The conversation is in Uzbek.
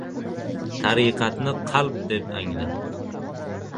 — Tariqatni qalb, deb angla